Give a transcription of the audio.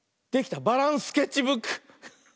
「バランスケッチブック」！